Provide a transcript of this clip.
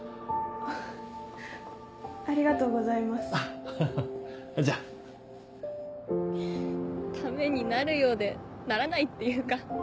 フフありがとうございますハハじゃあためになるようでならないっていうか。